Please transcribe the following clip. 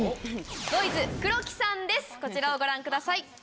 こちらをご覧ください。